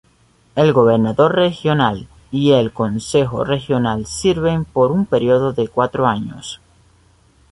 El Gobernador Regional y el Concejo Regional sirven por un periodo de cuatro años.